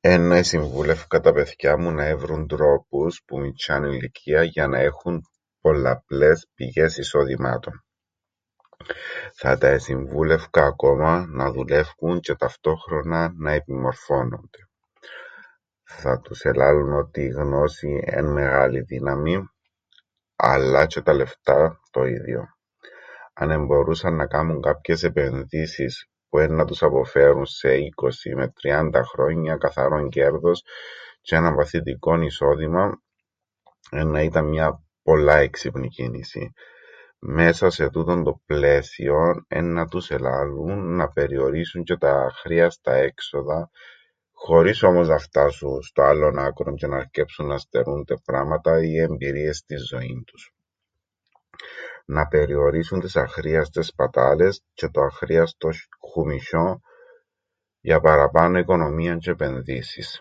Εννά εσυμβούλευκα τα παιθκιά μου να έβρουν τρόπους που μιτσ̆ιάν ηλικίαν για να έχουν πολλαπλές πηγές εισοδημάτων. Θα τα εσυμβούλευκα ακόμα να δουλεύκουν τζ̆αι ταυτόχρονα να επιμορφώνουνται. Θα τους ελάλουν ότι η γνώση εν' μεγάλη δύναμη αλλά τζ̆αι τα λεφτά το ίδιον. Αν εμπορούσαν να κάμουν κάποιες επενδύσεις που εννά τους αποφέρουν σε 20 με 30 χρόνια καθαρόν κέρδος τζ̆αι έναν παθητικόν εισόδημαν εννά ήταν μια πολλά έξυπνη κίνηση. Μέσα σε τούτον το πλαίσιον εννά τους ελάλουν να περιορίσουν τζ̆αι τα αχρείαστα έξοδα χωρίς όμως να φτάσουν στο άλλον άκρον τζ̆αι να αρκέψουν να στερούνται πράματα ή εμπειρίες στην ζωήν τους. Να περιορίσουν τες αχρείαστες σπατάλες τζ̆αι το αχρείαστον χουμισ̆ιόν για παραπάνω οικονομίαν τζ̆αι επενδύσεις.